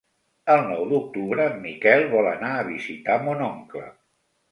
El nou d'octubre en Miquel vol anar a visitar mon oncle.